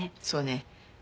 そうね。